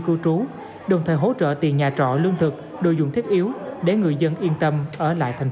cư trú đồng thời hỗ trợ tiền nhà trọ lương thực đồ dùng thiết yếu để người dân yên tâm ở lại thành